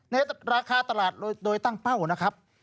ในราคาตลาดโดยตั้งเป้านะครับ